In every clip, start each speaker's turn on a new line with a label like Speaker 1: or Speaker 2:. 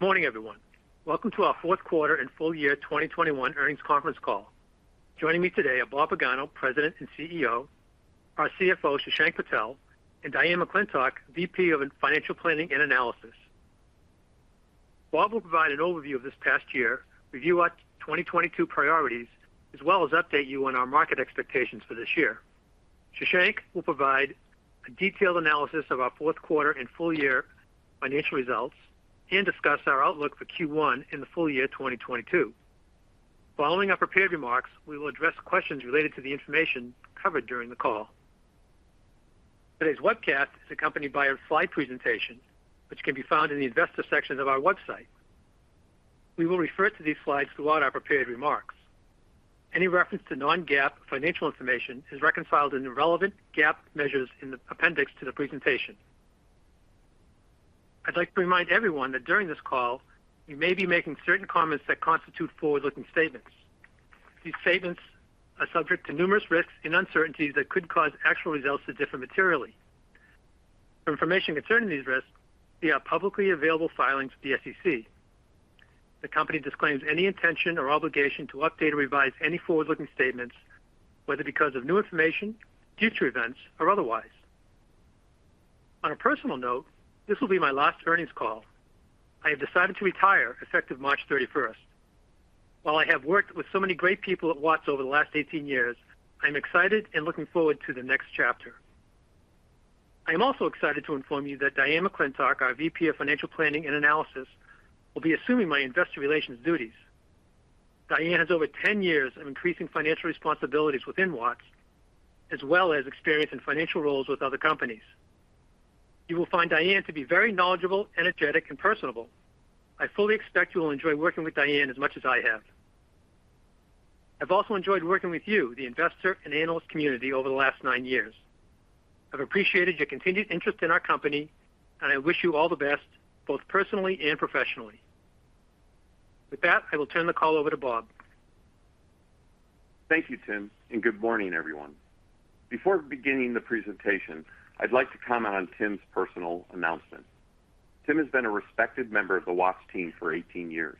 Speaker 1: Morning, everyone. Welcome to our Q4 and Full Year 2021 Earnings Conference Call. Joining me today are Bob Pagano, President and CEO, our CFO, Shashank Patel, and Diane McClintock, VP of Financial Planning and Analysis. Bob will provide an overview of this past year, review our 2022 priorities, as well as update you on our market expectations for this year. Shashank will provide a detailed analysis of our Q4 and full year financial results and discuss our outlook for Q1 and the full year 2022. Following our prepared remarks, we will address questions related to the information covered during the call. Today's webcast is accompanied by a slide presentation which can be found in the Investor section of our website. We will refer to these slides throughout our prepared remarks. Any reference to non-GAAP financial information is reconciled into relevant GAAP measures in the appendix to the presentation. I'd like to remind everyone that during this call, we may be making certain comments that constitute forward-looking statements. These statements are subject to numerous risks and uncertainties that could cause actual results to differ materially. For information concerning these risks, see our publicly available filings with the SEC. The company disclaims any intention or obligation to update or revise any forward-looking statements, whether because of new information, future events, or otherwise. On a personal note, this will be my last earnings call. I have decided to retire effective March 31st. While I have worked with so many great people at Watts over the last 18 years, I'm excited and looking forward to the next chapter. I am also excited to inform you that Diane McClintock, our VP of Financial Planning and Analysis, will be assuming my investor relations duties. Diane has over 10 years of increasing financial responsibilities within Watts, as well as experience in financial roles with other companies. You will find Diane to be very knowledgeable, energetic, and personable. I fully expect you will enjoy working with Diane as much as I have. I've also enjoyed working with you, the investor and analyst community, over the last nine years. I've appreciated your continued interest in our company, and I wish you all the best, both personally and professionally. With that, I will turn the call over to Bob.
Speaker 2: Thank you, Tim, and good morning, everyone. Before beginning the presentation, I'd like to comment on Tim's personal announcement. Tim has been a respected member of the Watts team for 18 years.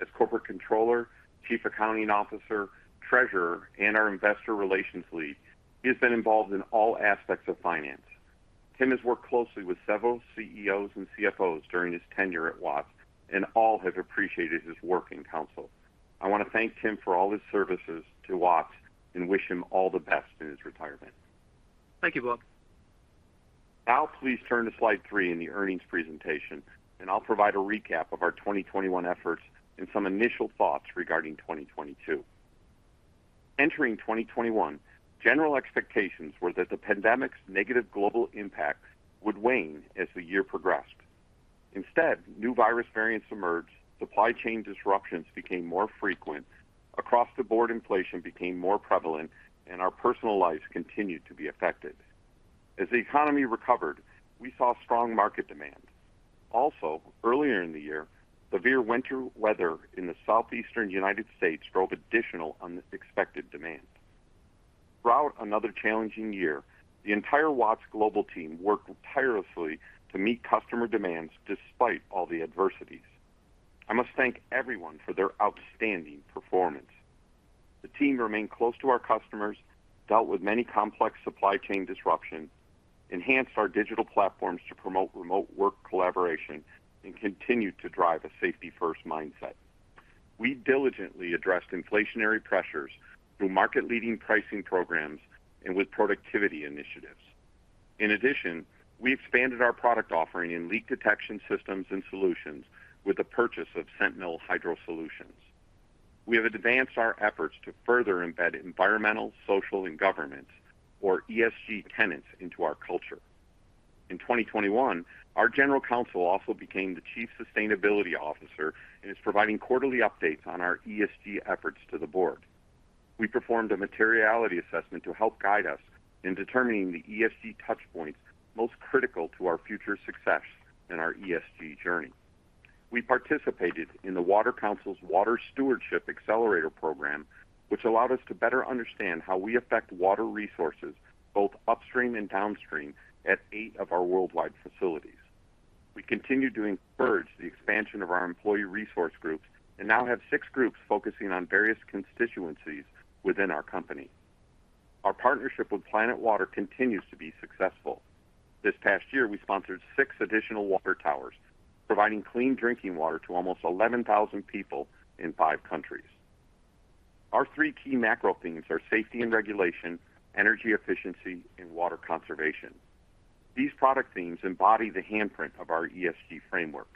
Speaker 2: As corporate controller, chief accounting officer, treasurer, and our investor relations lead, he has been involved in all aspects of finance. Tim has worked closely with several CEOs and CFOs during his tenure at Watts, and all have appreciated his work and counsel. I want to thank Tim for all his services to Watts and wish him all the best in his retirement.
Speaker 1: Thank you, Bob.
Speaker 2: Now, please turn to slide three in the earnings presentation, and I'll provide a recap of our 2021 efforts and some initial thoughts regarding 2022. Entering 2021, general expectations were that the pandemic's negative global impacts would wane as the year progressed. Instead, new virus variants emerged, supply chain disruptions became more frequent, across-the-board inflation became more prevalent, and our personal lives continued to be affected. As the economy recovered, we saw strong market demand. Also, earlier in the year, severe winter weather in the southeastern U.S. drove additional unexpected demand. Throughout another challenging year, the entire Watts global team worked tirelessly to meet customer demands despite all the adversities. I must thank everyone for their outstanding performance. The team remained close to our customers, dealt with many complex supply chain disruptions, enhanced our digital platforms to promote remote work collaboration, and continued to drive a safety-first mindset. We diligently addressed inflationary pressures through market-leading pricing programs and with productivity initiatives. In addition, we expanded our product offering in leak detection systems and solutions with the purchase of Sentinel Hydrosolutions. We have advanced our efforts to further embed environmental, social, and governance, or ESG tenets into our culture. In 2021, our general counsel also became the chief sustainability officer and is providing quarterly updates on our ESG efforts to the board. We performed a materiality assessment to help guide us in determining the ESG touch points most critical to our future success in our ESG journey. We participated in The Water Council's Water Stewardship Accelerator Program, which allowed us to better understand how we affect water resources both upstream and downstream at eight of our worldwide facilities. We continue to encourage the expansion of our employee resource groups and now have six groups focusing on various constituencies within our company. Our partnership with Planet Water continues to be successful. This past year, we sponsored six additional water towers, providing clean drinking water to almost 11,000 people in five countries. Our three key macro themes are safety and regulation, energy efficiency, and water conservation. These product themes embody the handprint of our ESG framework.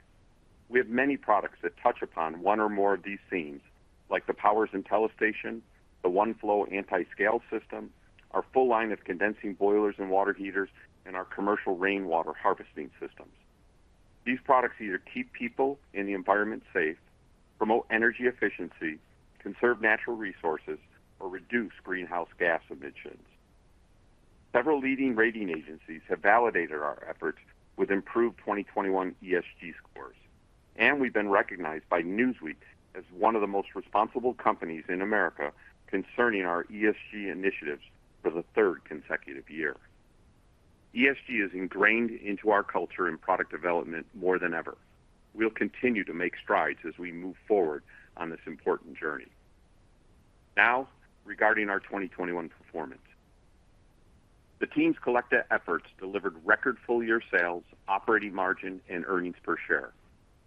Speaker 2: We have many products that touch upon one or more of these themes, like the Powers IntelliStation, the OneFlow anti-scale system, our full line of condensing boilers and water heaters, and our commercial rainwater harvesting systems. These products either keep people and the environment safe, promote energy efficiency, conserve natural resources, or reduce greenhouse gas emissions. Several leading rating agencies have validated our efforts with improved 2021 ESG scores, and we've been recognized by Newsweek as one of the most responsible companies in America concerning our ESG initiatives for the third consecutive year. ESG is ingrained into our culture and product development more than ever. We'll continue to make strides as we move forward on this important journey. Now, regarding our 2021 performance. The team's collective efforts delivered record full-year sales, operating margin, and earnings per share.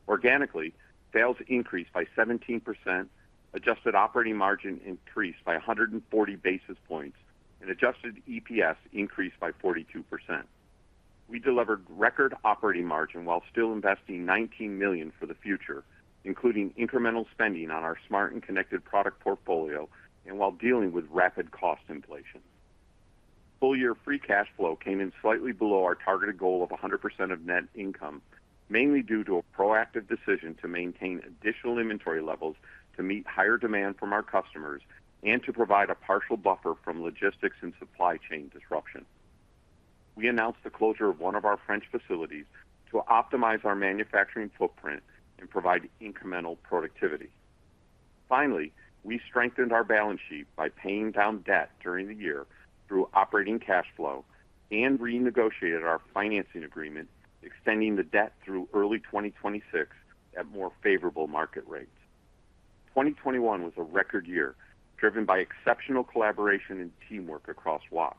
Speaker 2: Organically, sales increased by 17%, adjusted operating margin increased by 140 basis points, and adjusted EPS increased by 42%. We delivered record operating margin while still investing $19 million for the future, including incremental spending on our smart and connected product portfolio and while dealing with rapid cost inflation. Full year free cash flow came in slightly below our targeted goal of 100% of net income, mainly due to a proactive decision to maintain additional inventory levels to meet higher demand from our customers and to provide a partial buffer from logistics and supply chain disruption. We announced the closure of one of our French facilities to optimize our manufacturing footprint and provide incremental productivity. Finally, we strengthened our balance sheet by paying down debt during the year through operating cash flow and renegotiated our financing agreement, extending the debt through early 2026 at more favorable market rates. 2021 was a record year, driven by exceptional collaboration and teamwork across Watts,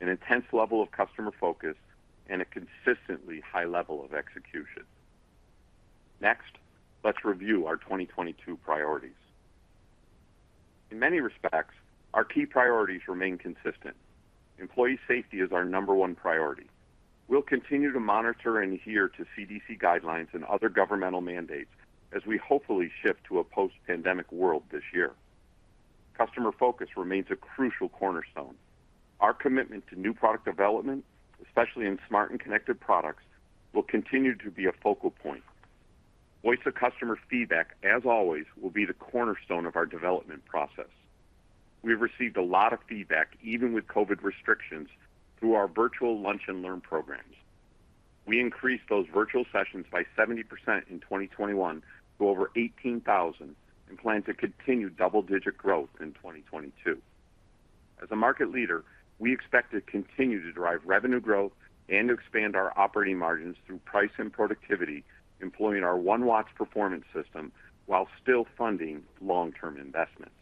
Speaker 2: an intense level of customer focus and a consistently high level of execution. Next, let's review our 2022 priorities. In many respects, our key priorities remain consistent. Employee safety is our number one priority. We'll continue to monitor and adhere to CDC guidelines and other governmental mandates as we hopefully shift to a post-pandemic world this year. Customer focus remains a crucial cornerstone. Our commitment to new product development, especially in smart and connected products, will continue to be a focal point. Voice of customer feedback, as always, will be the cornerstone of our development process. We have received a lot of feedback, even with COVID restrictions, through our virtual Lunch and Learn programs. We increased those virtual sessions by 70% in 2021 to over 18,000 and plan to continue double-digit growth in 2022. As a market leader, we expect to continue to drive revenue growth and expand our operating margins through price and productivity, employing our One Watts Performance System while still funding long-term investments.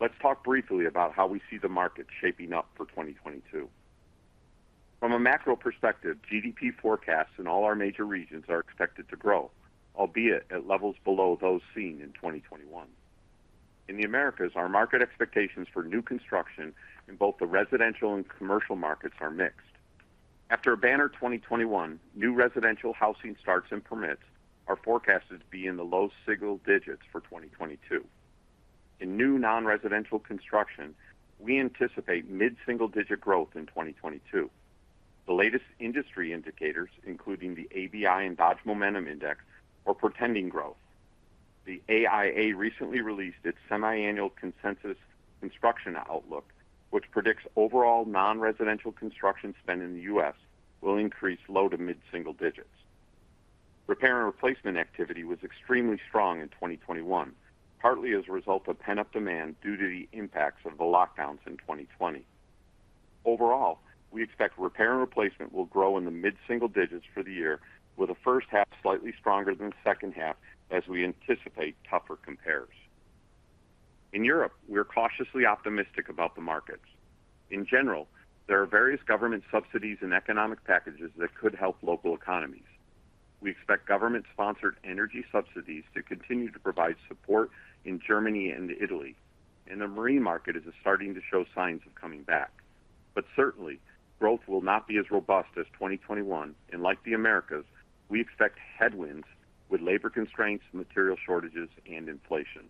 Speaker 2: Let's talk briefly about how we see the market shaping up for 2022. From a macro perspective, GDP forecasts in all our major regions are expected to grow, albeit at levels below those seen in 2021. In the Americas, our market expectations for new construction in both the residential and commercial markets are mixed. After a banner 2021, new residential housing starts and permits are forecasted to be in the low single digits for 2022. In new non-residential construction, we anticipate mid-single digit growth in 2022. The latest industry indicators, including the ABI and Dodge Momentum Index, are portending growth. The AIA recently released its semiannual consensus construction outlook, which predicts overall non-residential construction spend in the U.S. will increase low- to mid-single digits. Repair and replacement activity was extremely strong in 2021, partly as a result of pent-up demand due to the impacts of the lockdowns in 2020. Overall, we expect repair and replacement will grow in the mid-single digits for the year with the H1 slightly stronger than the H2 as we anticipate tougher compares. In Europe, we are cautiously optimistic about the markets. In general, there are various government subsidies and economic packages that could help local economies. We expect government-sponsored energy subsidies to continue to provide support in Germany and Italy. The marine market is starting to show signs of coming back. Certainly, growth will not be as robust as 2021, and like the Americas, we expect headwinds with labor constraints, material shortages, and inflation.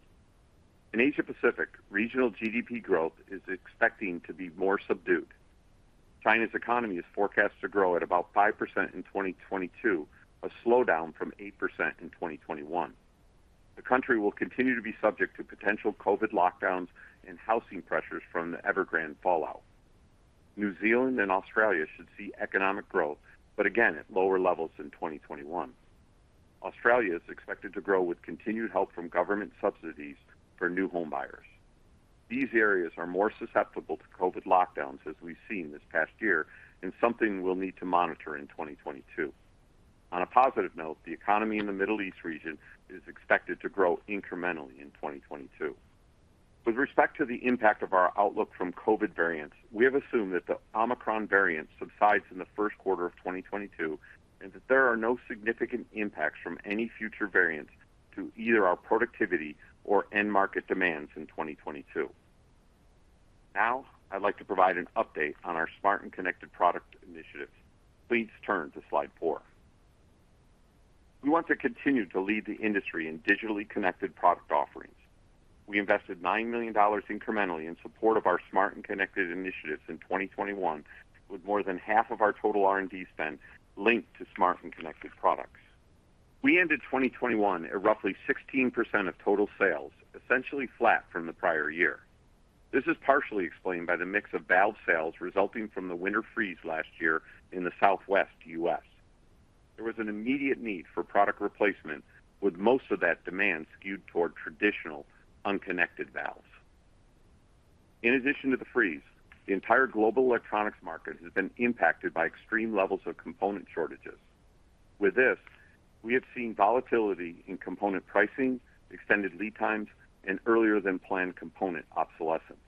Speaker 2: In Asia Pacific, regional GDP growth is expecting to be more subdued. China's economy is forecast to grow at about 5% in 2022, a slowdown from 8% in 2021. The country will continue to be subject to potential COVID lockdowns and housing pressures from the Evergrande fallout. New Zealand and Australia should see economic growth, but again at lower levels in 2021. Australia is expected to grow with continued help from government subsidies for new home buyers. These areas are more susceptible to COVID lockdowns, as we've seen this past year, and something we'll need to monitor in 2022. On a positive note, the economy in the Middle East region is expected to grow incrementally in 2022. With respect to the impact of our outlook from COVID variants, we have assumed that the Omicron variant subsides in the Q1 of 2022, and that there are no significant impacts from any future variants to either our productivity or end market demands in 2022. Now, I'd like to provide an update on our smart and connected product initiatives. Please turn to slide four. We want to continue to lead the industry in digitally connected product offerings. We invested $9 million incrementally in support of our smart and connected initiatives in 2021, with more than half of our total R&D spend linked to smart and connected products. We ended 2021 at roughly 16% of total sales, essentially flat from the prior year. This is partially explained by the mix of valve sales resulting from the winter freeze last year in the Southwest U.S. There was an immediate need for product replacement, with most of that demand skewed toward traditional unconnected valves. In addition to the freeze, the entire global electronics market has been impacted by extreme levels of component shortages. With this, we have seen volatility in component pricing, extended lead times, and earlier than planned component obsolescence.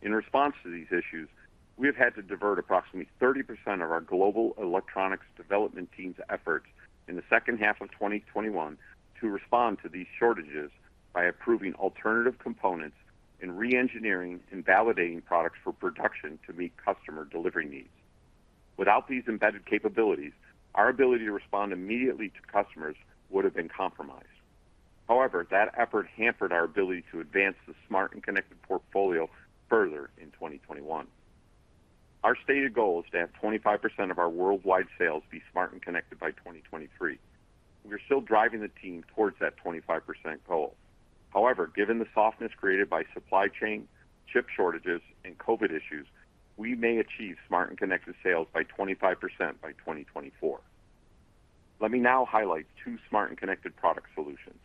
Speaker 2: In response to these issues, we have had to divert approximately 30% of our global electronics development team's efforts in the H2 of 2021 to respond to these shortages by approving alternative components and re-engineering and validating products for production to meet customer delivery needs. Without these embedded capabilities, our ability to respond immediately to customers would have been compromised. However, that effort hampered our ability to advance the smart and connected portfolio further in 2021. Our stated goal is to have 25% of our worldwide sales be smart and connected by 2023. We are still driving the team towards that 25% goal. However, given the softness created by supply chain, chip shortages, and COVID issues, we may achieve smart and connected sales by 25% by 2024. Let me now highlight two smart and connected product solutions.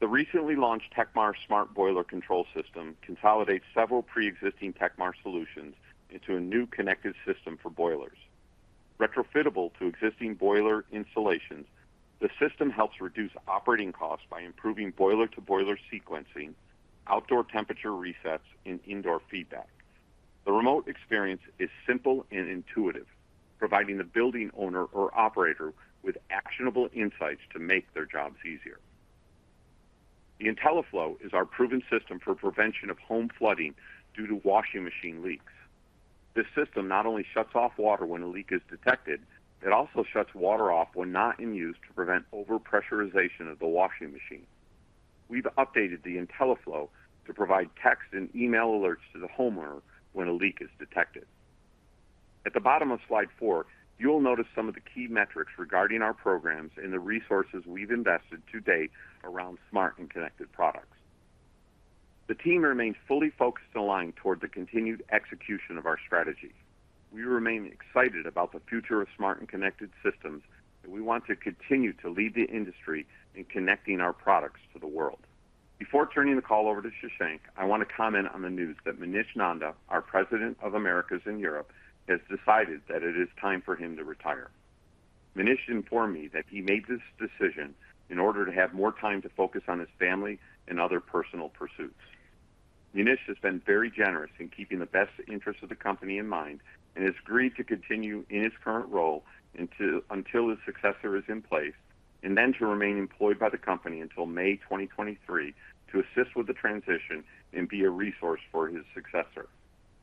Speaker 2: The recently launched tekmar Smart Boiler Control System consolidates several pre-existing tekmar solutions into a new connected system for boilers. Retrofittable to existing boiler installations, the system helps reduce operating costs by improving boiler-to-boiler sequencing, outdoor temperature resets, and indoor feedback. The remote experience is simple and intuitive, providing the building owner or operator with actionable insights to make their jobs easier. The IntelliFlow is our proven system for prevention of home flooding due to washing machine leaks. This system not only shuts off water when a leak is detected, it also shuts water off when not in use to prevent overpressurization of the washing machine. We've updated the IntelliFlow to provide text and email alerts to the homeowner when a leak is detected. At the bottom of slide four, you'll notice some of the key metrics regarding our programs and the resources we've invested to date around smart and connected products. The team remains fully focused and aligned toward the continued execution of our strategy. We remain excited about the future of smart and connected systems, and we want to continue to lead the industry in connecting our products to the world. Before turning the call over to Shashank, I want to comment on the news that Munish Nanda, our President of Americas and Europe, has decided that it is time for him to retire. Munish informed me that he made this decision in order to have more time to focus on his family and other personal pursuits. Munish has been very generous in keeping the best interest of the company in mind and has agreed to continue in his current role until his successor is in place, and then to remain employed by the company until May 2023 to assist with the transition and be a resource for his successor.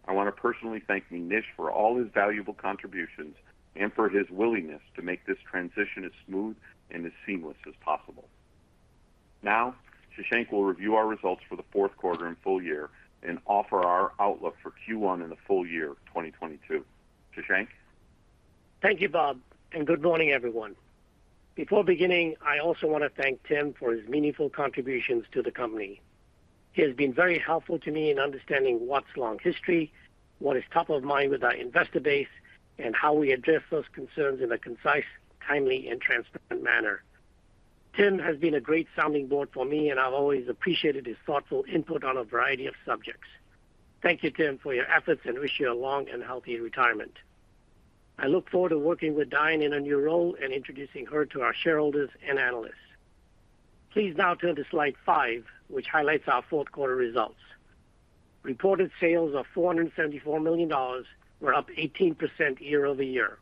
Speaker 2: I want to personally thank Munish for all his valuable contributions and for his willingness to make this transition as smooth and as seamless as possible. Now, Shashank will review our results for the Q4 and full year and offer our outlook for Q1 and the full year of 2022. Shashank?
Speaker 3: Thank you, Bob, and good morning, everyone. Before beginning, I also want to thank Tim for his meaningful contributions to the company. He has been very helpful to me in understanding Watts' long history, what is top of mind with our investor base, and how we address those concerns in a concise, timely, and transparent manner. Tim has been a great sounding board for me, and I've always appreciated his thoughtful input on a variety of subjects. Thank you, Tim, for your efforts and I wish you a long and healthy retirement. I look forward to working with Diane in her new role and introducing her to our shareholders and analysts. Please now turn to slide five, which highlights our Q4 results. Reported sales of $474 million were up 18% year-over-year.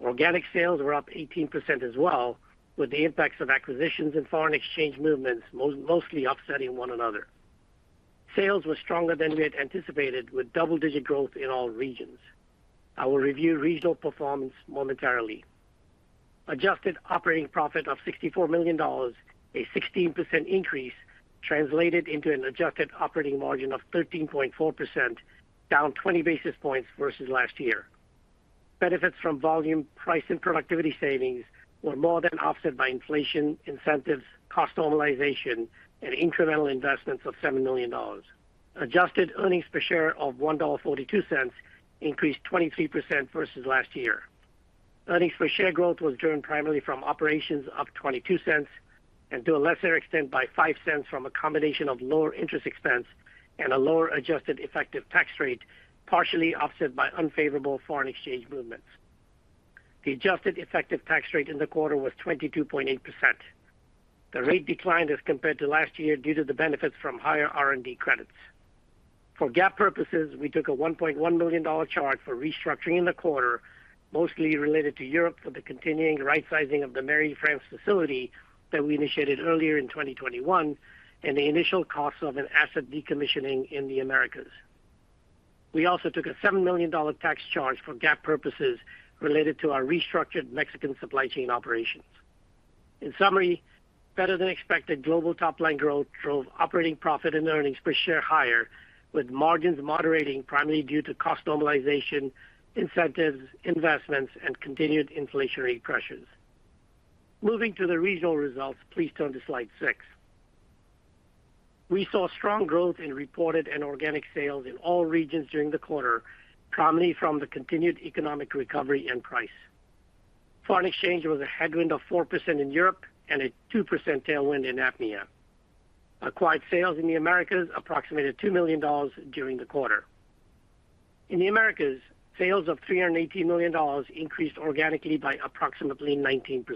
Speaker 3: Organic sales were up 18% as well, with the impacts of acquisitions and foreign exchange movements mostly offsetting one another. Sales were stronger than we had anticipated, with double-digit growth in all regions. I will review regional performance momentarily. Adjusted operating profit of $64 million, a 16% increase, translated into an adjusted operating margin of 13.4%, down 20 basis points versus last year. Benefits from volume, price, and productivity savings were more than offset by inflation, incentives, cost normalization, and incremental investments of $7 million. Adjusted earnings per share of $1.42 increased 23% versus last year. Earnings per share growth was driven primarily from operations up $0.22, and to a lesser extent by $0.05 from a combination of lower interest expense and a lower adjusted effective tax rate, partially offset by unfavorable foreign exchange movements. The adjusted effective tax rate in the quarter was 22.8%. The rate declined as compared to last year due to the benefits from higher R&D credits. For GAAP purposes, we took a $1.1 million charge for restructuring in the quarter, mostly related to Europe for the continuing rightsizing of the Méry, France facility that we initiated earlier in 2021 and the initial cost of an asset decommissioning in the Americas. We also took a $7 million tax charge for GAAP purposes related to our restructured Mexican supply chain operations. In summary, better than expected global top-line growth drove operating profit and earnings per share higher, with margins moderating primarily due to cost normalization, incentives, investments, and continued inflationary pressures. Moving to the regional results, please turn to slide six. We saw strong growth in reported and organic sales in all regions during the quarter, primarily from the continued economic recovery and price. Foreign exchange was a headwind of 4% in Europe and a 2% tailwind in APMEA. Acquired sales in the Americas approximated $2 million during the quarter. In the Americas, sales of $380 million increased organically by approximately 19%.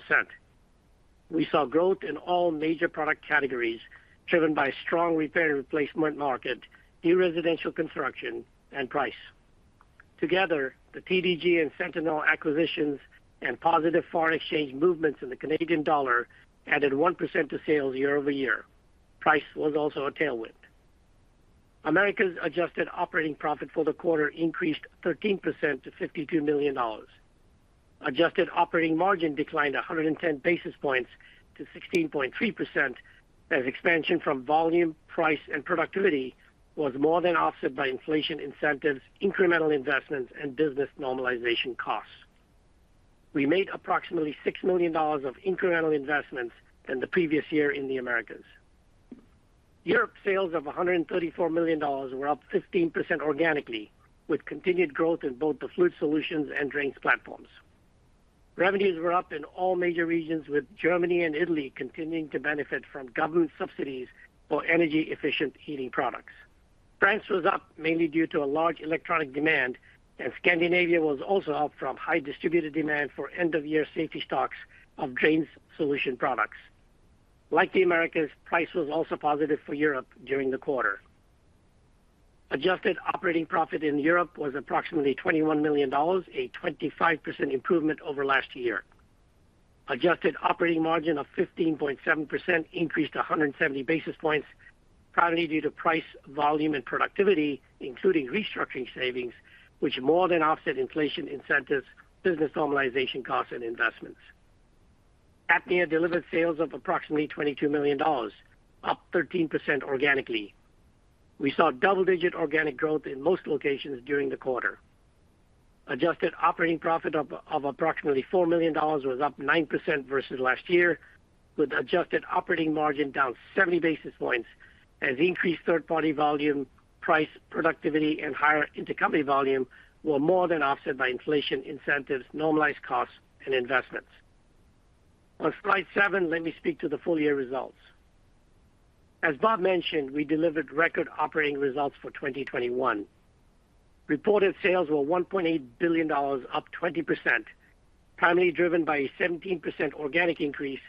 Speaker 3: We saw growth in all major product categories, driven by strong repair and replacement market, new residential construction, and price. Together, the TDG and Sentinel acquisitions and positive foreign exchange movements in the Canadian dollar added 1% to sales year-over-year. Price was also a tailwind. Americas' adjusted operating profit for the quarter increased 13% to $52 million. Adjusted operating margin declined 110 basis points to 16.3% as expansion from volume, price, and productivity was more than offset by inflation, incentives, incremental investments, and business normalization costs. We made approximately $6 million more of incremental investments than the previous year in the Americas. Europe sales of $134 million were up 15% organically, with continued growth in both the fluid solutions and drains platforms. Revenues were up in all major regions, with Germany and Italy continuing to benefit from government subsidies for energy-efficient heating products. France was up mainly due to a large electronic demand, and Scandinavia was also up from high distributor demand for end-of-year safety stocks of drains solution products. Like the Americas, price was also positive for Europe during the quarter. Adjusted operating profit in Europe was approximately $21 million, a 25% improvement over last year. Adjusted operating margin of 15.7% increased 170 basis points, primarily due to price, volume, and productivity, including restructuring savings, which more than offset inflation incentives, business normalization costs, and investments. APMEA delivered sales of approximately $22 million, up 13% organically. We saw double-digit organic growth in most locations during the quarter. Adjusted operating profit of approximately $4 million was up 9% versus last year, with adjusted operating margin down 70 basis points as increased third-party volume, price, productivity, and higher intercompany volume were more than offset by inflation incentives, normalized costs, and investments. On slide seven, let me speak to the full year results. As Bob mentioned, we delivered record operating results for 2021. Reported sales were $1.8 billion, up 20%, primarily driven by a 17% organic increase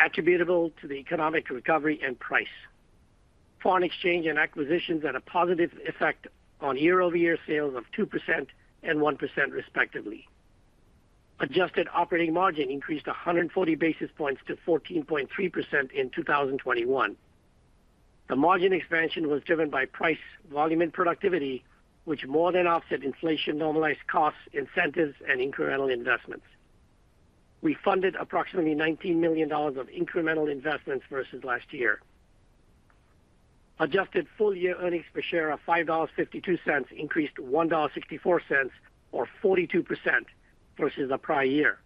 Speaker 3: attributable to the economic recovery and price. Foreign exchange and acquisitions had a positive effect on year-over-year sales of 2% and 1% respectively. Adjusted operating margin increased 140 basis points to 14.3% in 2021. The margin expansion was driven by price, volume, and productivity, which more than offset inflation, normalized costs, incentives, and incremental investments. We funded approximately $19 million of incremental investments versus last year. Adjusted full year earnings per share of $5.52 increased $1.64 or 42% versus the prior year.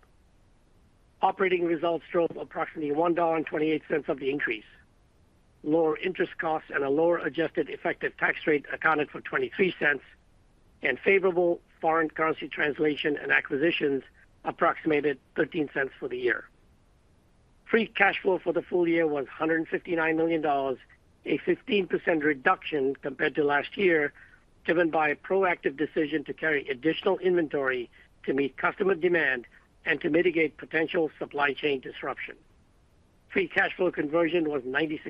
Speaker 3: Operating results drove approximately $1.28 of the increase. Lower interest costs and a lower adjusted effective tax rate accounted for $0.23, and favorable foreign currency translation and acquisitions approximated $0.13 for the year. Free cash flow for the full year was $159 million, a 15% reduction compared to last year, driven by a proactive decision to carry additional inventory to meet customer demand and to mitigate potential supply chain disruption. Free cash flow conversion was 96%.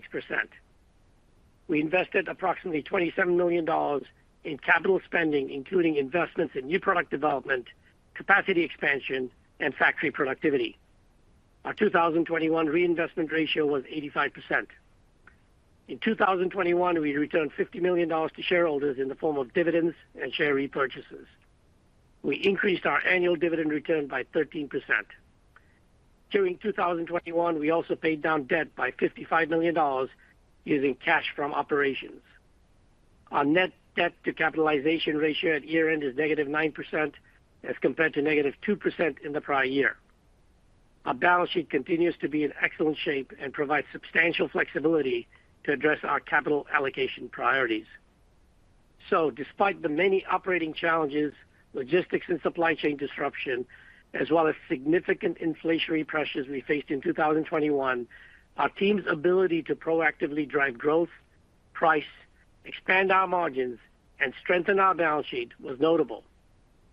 Speaker 3: We invested approximately $27 million in capital spending, including investments in new product development, capacity expansion, and factory productivity. Our 2021 reinvestment ratio was 85%. In 2021, we returned $50 million to shareholders in the form of dividends and share repurchases. We increased our annual dividend return by 13%. During 2021, we also paid down debt by $55 million using cash from operations. Our net debt to capitalization ratio at year end is -9% as compared to -2% in the prior year. Our balance sheet continues to be in excellent shape and provides substantial flexibility to address our capital allocation priorities. Despite the many operating challenges, logistics and supply chain disruption, as well as significant inflationary pressures we faced in 2021, our team's ability to proactively drive growth, price, expand our margins, and strengthen our balance sheet was notable.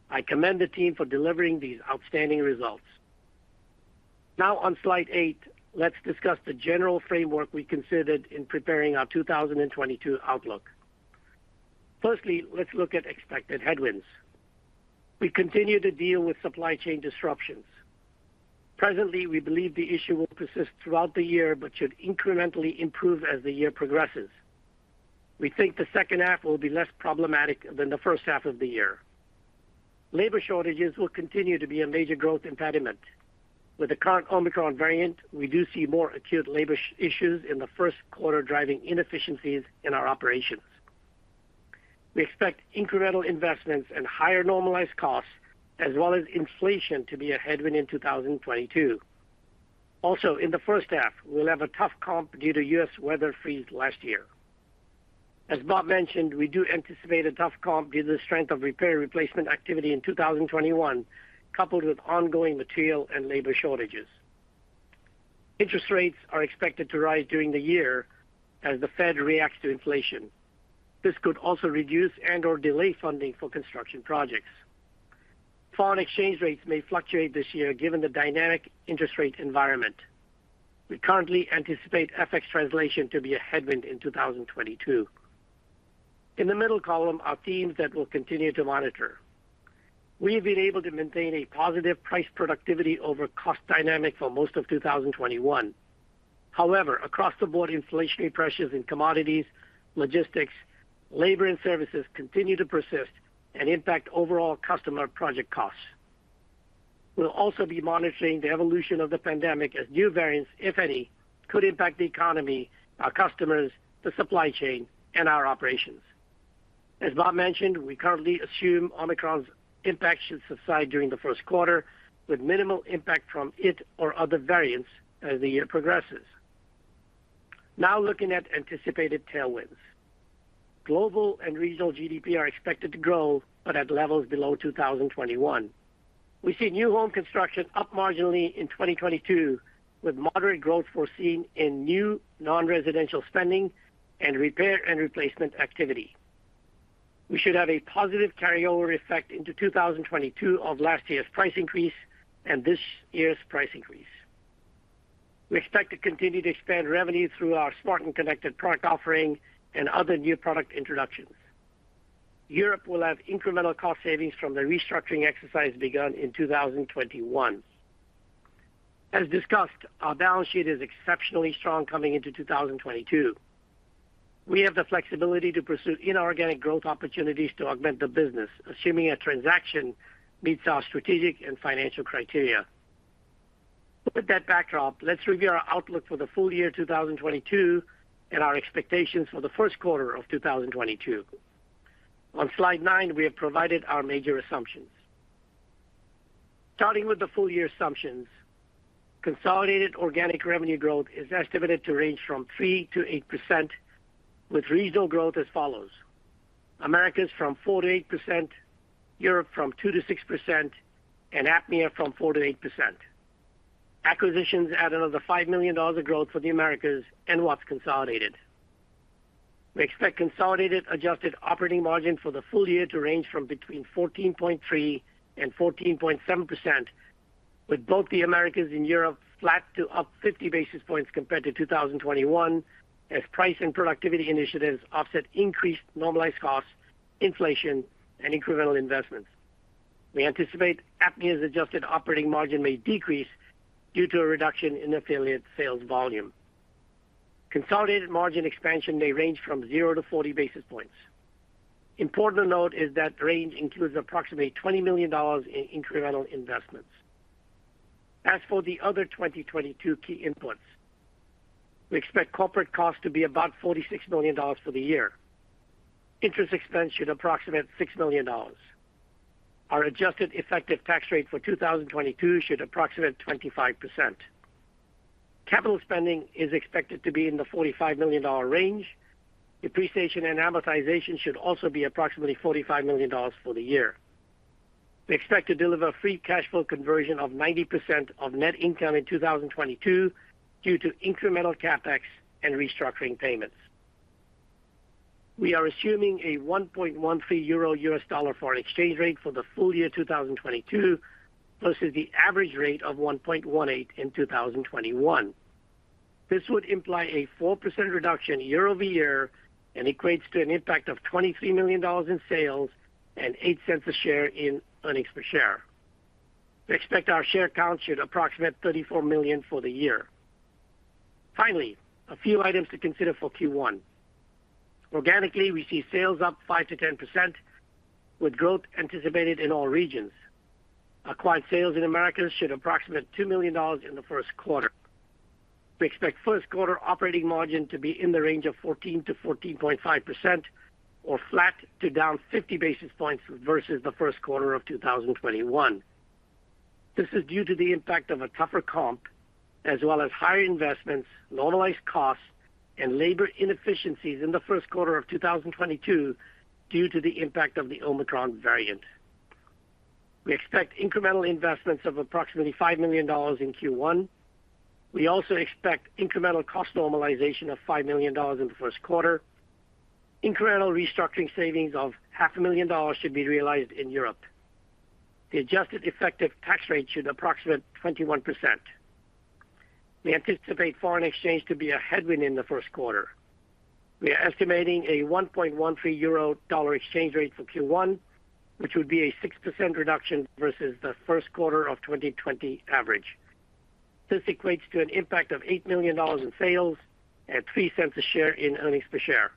Speaker 3: I commend the team for delivering these outstanding results. Now on slide eight, let's discuss the general framework we considered in preparing our 2022 outlook. Firstly, let's look at expected headwinds. We continue to deal with supply chain disruptions. Presently, we believe the issue will persist throughout the year, but should incrementally improve as the year progresses. We think the H2 will be less problematic than the H1 of the year. Labor shortages will continue to be a major growth impediment. With the current Omicron variant, we do see more acute labor issues in the Q1 driving inefficiencies in our operations. We expect incremental investments and higher normalized costs as well as inflation to be a headwind in 2022. Also, in the H1, we'll have a tough comp due to U.S. weather freeze last year. As Bob mentioned, we do anticipate a tough comp due to the strength of repair replacement activity in 2021, coupled with ongoing material and labor shortages. Interest rates are expected to rise during the year as the Fed reacts to inflation. This could also reduce and/or delay funding for construction projects. Foreign exchange rates may fluctuate this year given the dynamic interest rate environment. We currently anticipate FX translation to be a headwind in 2022. In the middle column are themes that we'll continue to monitor. We've been able to maintain a positive price productivity over cost dynamic for most of 2021. However, across the board inflationary pressures in commodities, logistics, labor, and services continue to persist and impact overall customer project costs. We'll also be monitoring the evolution of the pandemic as new variants, if any, could impact the economy, our customers, the supply chain, and our operations. As Bob mentioned, we currently assume Omicron's impact should subside during the Q1 with minimal impact from it or other variants as the year progresses. Now looking at anticipated tailwinds. Global and regional GDP are expected to grow, but at levels below 2021. We see new home construction up marginally in 2022, with moderate growth foreseen in new non-residential spending and repair and replacement activity. We should have a positive carryover effect into 2022 of last year's price increase and this year's price increase. We expect to continue to expand revenue through our smart and connected product offering and other new product introductions. Europe will have incremental cost savings from the restructuring exercise begun in 2021. As discussed, our balance sheet is exceptionally strong coming into 2022. We have the flexibility to pursue inorganic growth opportunities to augment the business, assuming a transaction meets our strategic and financial criteria. With that backdrop, let's review our outlook for the full year 2022 and our expectations for the Q1 of 2022. On slide nine, we have provided our major assumptions. Starting with the full year assumptions, consolidated organic revenue growth is estimated to range from 3%-8%, with regional growth as follows. Americas from 4%-8%, Europe from 2%-6%, and APMEA from 4%-8%. Acquisitions add another $5 million of growth for the Americas and Watts consolidated. We expect consolidated adjusted operating margin for the full year to range from between 14.3% and 14.7%, with both the Americas and Europe flat to up 50 basis points compared to 2021 as price and productivity initiatives offset increased normalized costs, inflation, and incremental investments. We anticipate APMEA's adjusted operating margin may decrease due to a reduction in affiliate sales volume. Consolidated margin expansion may range from 0-40 basis points. Important to note is that range includes approximately $20 million in incremental investments. As for the other 2022 key inputs, we expect corporate costs to be about $46 million for the year. Interest expense should approximate $6 million. Our adjusted effective tax rate for 2022 should approximate 25%. Capital spending is expected to be in the $45 million range. Depreciation and amortization should also be approximately $45 million for the year. We expect to deliver free cash flow conversion of 90% of net income in 2022 due to incremental CapEx and restructuring payments. We are assuming a 1.13 Euro US dollar foreign exchange rate for the full year 2022 versus the average rate of 1.18 in 2021. This would imply a 4% reduction year-over-year and equates to an impact of $23 million in sales and $0.08 a share in earnings per share. We expect our share count should approximate $34 million for the year. Finally, a few items to consider for Q1. Organically, we see sales up 5%-10% with growth anticipated in all regions. Acquired sales in Americas should approximate $2 million in the Q1. We expect Q1 operating margin to be in the range of 14%-14.5% or flat to down 50 basis points versus the Q1 of 2021. This is due to the impact of a tougher comp as well as higher investments, normalized costs, and labor inefficiencies in the Q1 of 2022 due to the impact of the Omicron variant. We expect incremental investments of approximately $5 million in Q1. We also expect incremental cost normalization of $5 million in the Q1. Incremental restructuring savings of half a million dollars should be realized in Europe. The adjusted effective tax rate should approximate 21%. We anticipate foreign exchange to be a headwind in the Q1. We are estimating a 1.13 euro-dollar exchange rate for Q1, which would be a 6% reduction versus the Q1 of 2020 average. This equates to an impact of $8 million in sales at $0.03 in earnings per share.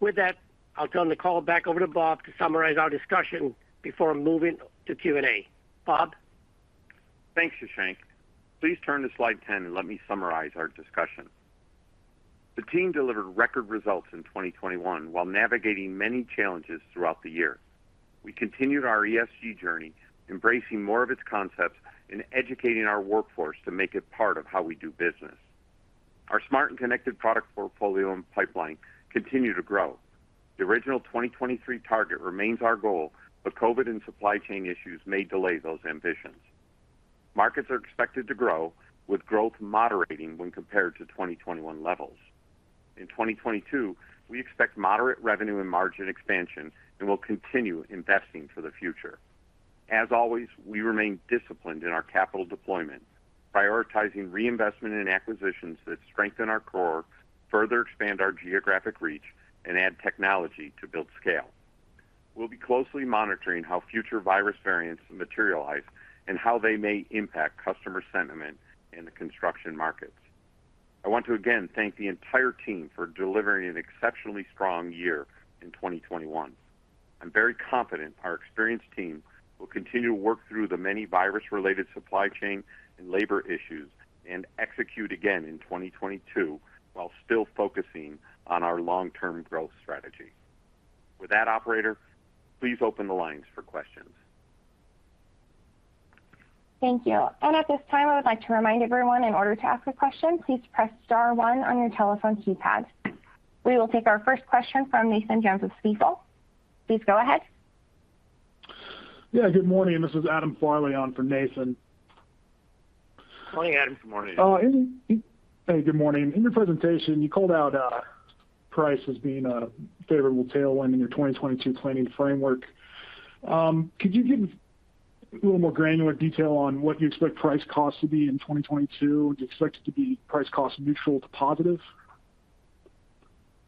Speaker 3: With that, I'll turn the call back over to Bob to summarize our discussion before moving to Q&A. Bob?
Speaker 2: Thanks, Shashank. Please turn to slide 10 and let me summarize our discussion. The team delivered record results in 2021 while navigating many challenges throughout the year. We continued our ESG journey, embracing more of its concepts and educating our workforce to make it part of how we do business. Our smart and connected product portfolio and pipeline continue to grow. The original 2023 target remains our goal, but COVID and supply chain issues may delay those ambitions. Markets are expected to grow, with growth moderating when compared to 2021 levels. In 2022, we expect moderate revenue and margin expansion, and we'll continue investing for the future. As always, we remain disciplined in our capital deployment, prioritizing reinvestment in acquisitions that strengthen our core, further expand our geographic reach, and add technology to build scale. We'll be closely monitoring how future virus variants materialize and how they may impact customer sentiment in the construction markets. I want to again thank the entire team for delivering an exceptionally strong year in 2021. I'm very confident our experienced team will continue to work through the many virus-related supply chain and labor issues and execute again in 2022 while still focusing on our long-term growth strategy. With that, operator, please open the lines for questions.
Speaker 4: Thank you. At this time, I would like to remind everyone in order to ask a question, please press star one on your telephone keypad. We will take our first question from Nathan Jones with Stifel. Please go ahead.
Speaker 5: Yeah, good morning. This is Adam Farley on for Nathan.
Speaker 3: Morning, Adam.
Speaker 2: Good morning.
Speaker 5: Hey, good morning. In your presentation, you called out price as being a favorable tailwind in your 2022 planning framework. Could you give a little more granular detail on what you expect price-cost to be in 2022? Do you expect it to be price-cost neutral to positive?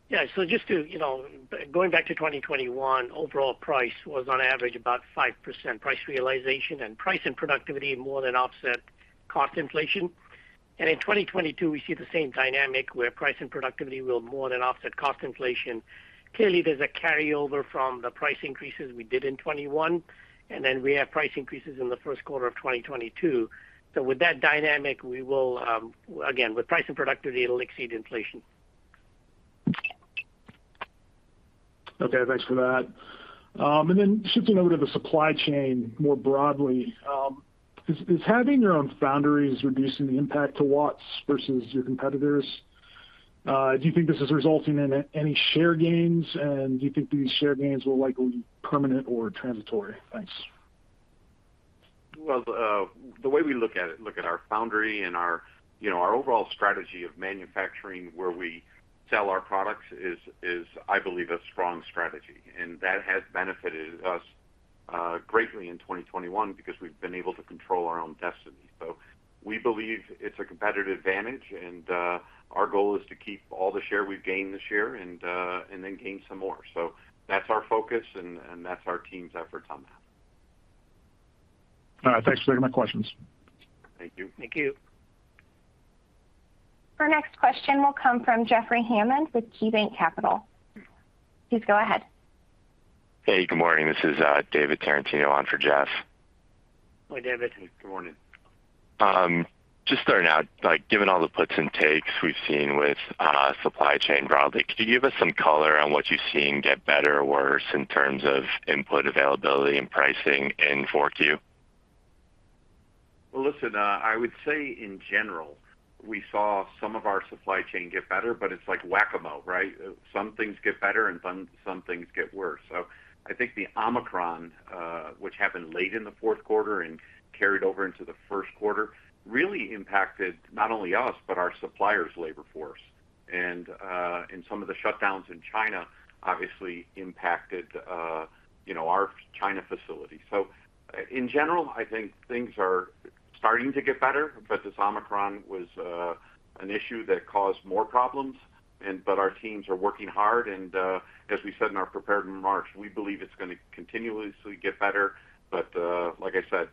Speaker 3: Yeah. Just to, you know, going back to 2021, overall price was on average about 5% price realization, and price and productivity more than offset cost inflation. In 2022, we see the same dynamic, where price and productivity will more than offset cost inflation. Clearly, there's a carryover from the price increases we did in 2021, and then we have price increases in the Q1 of 2022. With that dynamic, we will again, with price and productivity, it'll exceed inflation.
Speaker 5: Okay. Thanks for that. Shifting over to the supply chain more broadly, is having your own foundries reducing the impact to Watts versus your competitors? Do you think this is resulting in any share gains? Do you think these share gains will likely be permanent or transitory? Thanks.
Speaker 2: Well, the way we look at it, look at our foundry and our, you know, our overall strategy of manufacturing where we sell our products is I believe a strong strategy. That has benefited us greatly in 2021 because we've been able to control our own destiny. We believe it's a competitive advantage, and our goal is to keep all the share we've gained this year and then gain some more. That's our focus and that's our team's efforts on that.
Speaker 5: All right. Thanks for taking my questions.
Speaker 2: Thank you.
Speaker 3: Thank you.
Speaker 4: Our next question will come from Jeffrey Hammond with KeyBanc Capital. Please go ahead.
Speaker 6: Hey, good morning. This is, David Tarantino on for Jeff.
Speaker 2: Hi, David.
Speaker 3: Good morning.
Speaker 6: Just starting out, like, given all the puts and takes we've seen with, supply chain broadly, could you give us some color on what you're seeing get better or worse in terms of input availability and pricing in Q4?
Speaker 2: Well, listen, I would say in general, we saw some of our supply chain get better, but it's like Whac-A-Mole, right? Some things get better and some things get worse. I think the Omicron, which happened late in the Q4 and carried over into the Q1, really impacted not only us, but our suppliers' labor force. Some of the shutdowns in China obviously impacted, you know, our China facility. In general, I think things are starting to get better, but this Omicron was an issue that caused more problems, but our teams are working hard, and as we said in our prepared remarks, we believe it's gonna continuously get better. Like I said,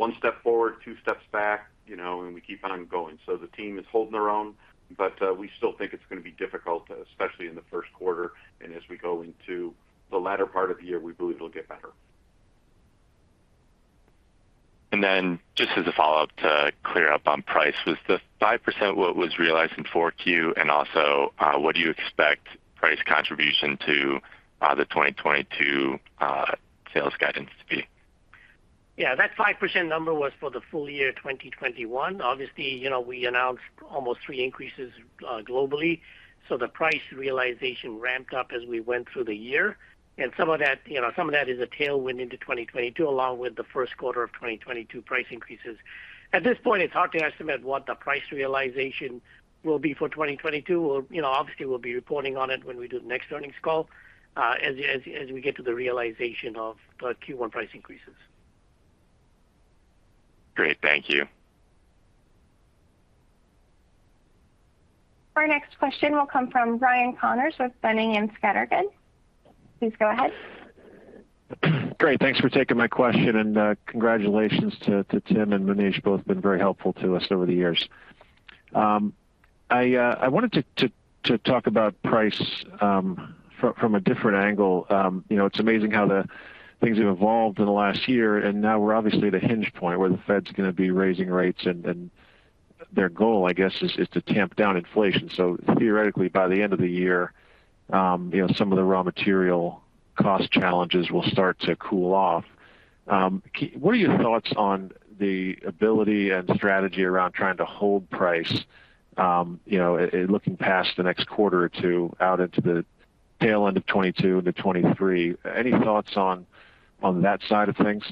Speaker 2: one step forward, two steps back, you know, and we keep on going. The team is holding their own, but we still think it's gonna be difficult, especially in the Q1. As we go into the latter part of the year, we believe it'll get better.
Speaker 6: Just as a follow-up to clear up on price, was the 5% what was realized in Q4? Also, what do you expect price contribution to the 2022 sales guidance to be?
Speaker 3: Yeah. That 5% number was for the full year 2021. Obviously, you know, we announced almost three increases globally. The price realization ramped up as we went through the year. Some of that, you know, some of that is a tailwind into 2022, along with the Q1 of 2022 price increases. At this point, it's hard to estimate what the price realization will be for 2022. We'll, you know, obviously we'll be reporting on it when we do the next earnings call as we get to the realization of the Q1 price increases.
Speaker 6: Great. Thank you.
Speaker 4: Our next question will come from Ryan Connors with Boenning & Scattergood. Please go ahead.
Speaker 7: Great. Thanks for taking my question, and congratulations to Tim and Munish, both been very helpful to us over the years. I wanted to talk about price from a different angle. You know, it's amazing how the things have evolved in the last year, and now we're obviously at an inflection point where the Fed's gonna be raising rates, and their goal, I guess, is to tamp down inflation. Theoretically, by the end of the year, you know, some of the raw material cost challenges will start to cool off. What are your thoughts on the ability and strategy around trying to hold price, you know, looking past the next quarter or two out into the tail end of 2022 into 2023? Any thoughts on that side of things?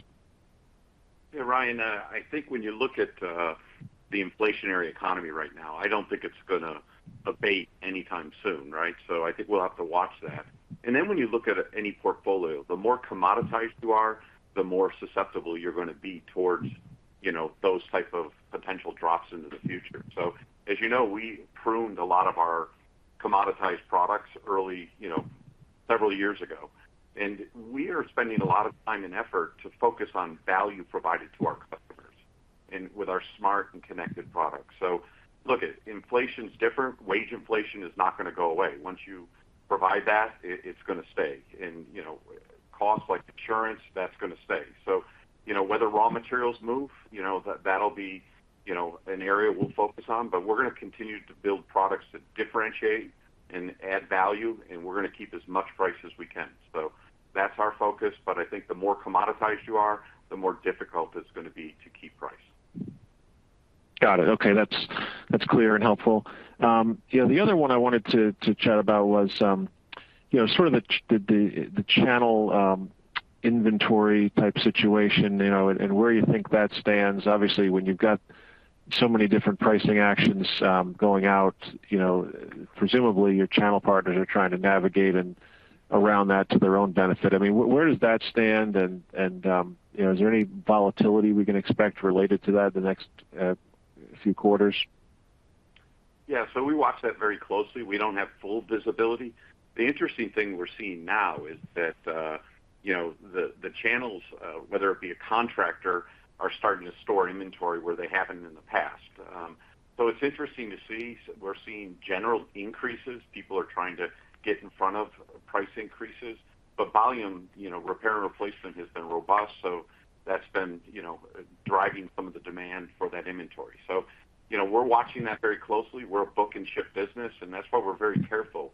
Speaker 2: Yeah, Ryan, I think when you look at the inflationary economy right now, I don't think it's gonna abate anytime soon, right? I think we'll have to watch that. When you look at any portfolio, the more commoditized you are, the more susceptible you're gonna be towards, you know, those type of potential drops into the future. As you know, we pruned a lot of our commoditized products early, you know, several years ago. We are spending a lot of time and effort to focus on value provided to our customers and with our smart and connected products. Look, inflation's different. Wage inflation is not gonna go away. Once you provide that, it's gonna stay. You know, costs like insurance, that's gonna stay. You know, whether raw materials move, you know, that'll be, you know, an area we'll focus on. We're gonna continue to build products that differentiate and add value, and we're gonna keep as much price as we can. That's our focus. I think the more commoditized you are, the more difficult it's gonna be to keep price.
Speaker 7: Got it. Okay, that's clear and helpful. You know, the other one I wanted to chat about was, you know, sort of the channel inventory type situation, you know, and where you think that stands. Obviously, when you've got so many different pricing actions going out, you know, presumably your channel partners are trying to navigate around that to their own benefit. I mean, where does that stand, and you know, is there any volatility we can expect related to that the next few quarters?
Speaker 2: Yeah. We watch that very closely. We don't have full visibility. The interesting thing we're seeing now is that, you know, the channels, whether it be a contractor, are starting to store inventory where they haven't in the past. It's interesting to see. We're seeing general increases. People are trying to get in front of price increases. Volume, you know, repair and replacement has been robust, so that's been, you know, driving some of the demand for that inventory. You know, we're watching that very closely. We're a book-and-ship business, and that's why we're very careful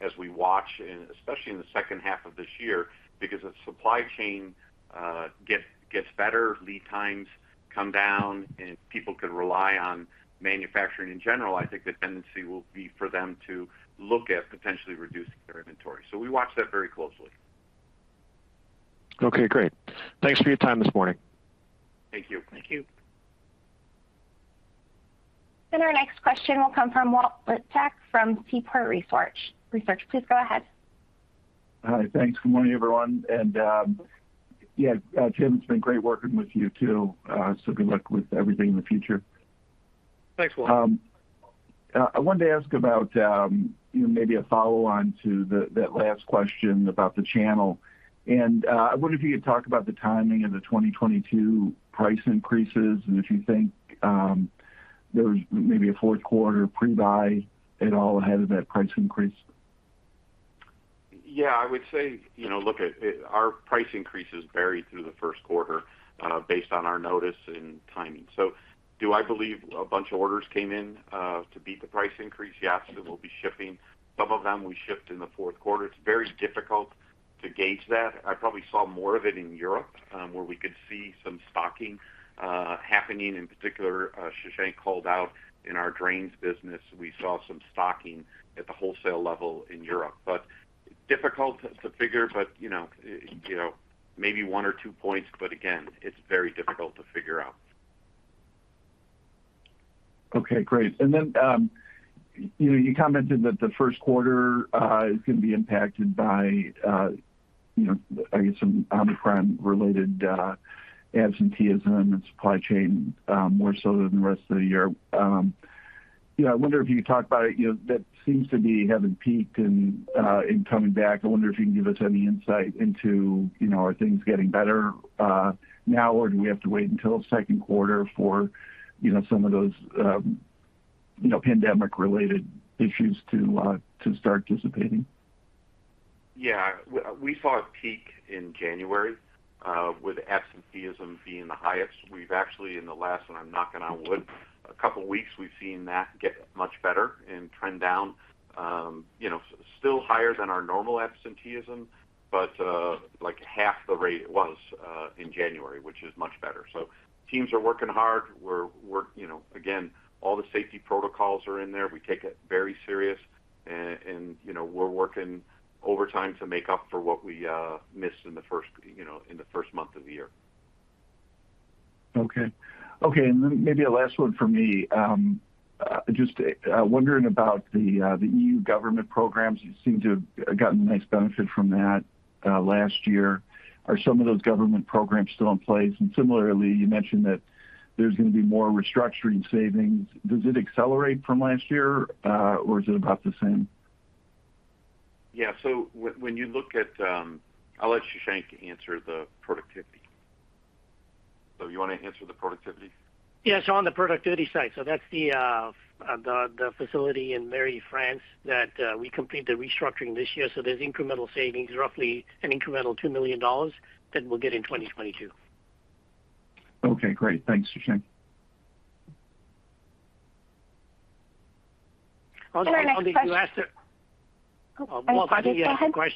Speaker 2: as we watch, especially in the H2 of this year, because as supply chain gets better, lead times come down, and people can rely on manufacturing in general. I think the tendency will be for them to look at potentially reducing their inventory. We watch that very closely.
Speaker 7: Okay, great. Thanks for your time this morning.
Speaker 2: Thank you.
Speaker 3: Thank you.
Speaker 4: Our next question will come from Walt Liptak from Seaport Research. Please go ahead.
Speaker 8: Hi. Thanks. Good morning, everyone. Tim, it's been great working with you, too, so good luck with everything in the future.
Speaker 1: Thanks, Walt.
Speaker 8: I wanted to ask about, you know, maybe a follow-on to that last question about the channel. I wonder if you could talk about the timing of the 2022 price increases and if you think there's maybe a Q4 pre-buy at all ahead of that price increase.
Speaker 2: Yeah. I would say, you know, look, our price increases varied through the Q1, based on our notice and timing. Do I believe a bunch of orders came in to beat the price increase? Yes, and we'll be shipping some of them we shipped in the Q4. It's very difficult to gauge that. I probably saw more of it in Europe, where we could see some stocking happening. In particular, Shashank called out in our Drains business, we saw some stocking at the wholesale level in Europe. Difficult to figure, you know, maybe one or two points. Again, it's very difficult to figure out.
Speaker 8: Okay, great. Then, you know, you commented that the Q1 is gonna be impacted by, you know, I guess some Omicron-related absenteeism and supply chain more so than the rest of the year. You know, I wonder if you could talk about, you know, that seems to be having peaked and coming back. I wonder if you can give us any insight into, you know, are things getting better now, or do we have to wait until Q2 for, you know, some of those, you know, pandemic-related issues to start dissipating?
Speaker 2: Yeah. We saw a peak in January with absenteeism being the highest. We've actually, in the last couple weeks and I'm knocking on wood. A couple of weeks we've seen that get much better and trend down. You know, still higher than our normal absenteeism, but like half the rate it was in January, which is much better. Teams are working hard. You know, again, all the safety protocols are in there. We take it very serious and you know, we're working overtime to make up for what we missed in the first you know, in the first month of the year.
Speaker 8: Okay, maybe a last one from me. Just wondering about the EU government programs. You seem to have gotten a nice benefit from that last year. Are some of those government programs still in place? Similarly, you mentioned that there's gonna be more restructuring savings. Does it accelerate from last year or is it about the same?
Speaker 2: Yeah. When you look at, I'll let Shashank answer the productivity. You wanna answer the productivity?
Speaker 3: Yes, on the productivity side. That's the facility in Méry, France that we completed the restructuring this year. There's incremental savings, roughly an incremental $2 million that we'll get in 2022.
Speaker 8: Okay, great. Thanks, Shashank.
Speaker 3: Also on the U.S..
Speaker 4: Our next question.
Speaker 3: Oh, Walt, I think you had a question.
Speaker 4: Go ahead.